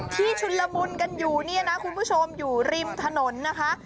ชุนละมุนกันอยู่เนี่ยนะคุณผู้ชมอยู่ริมถนนนะคะ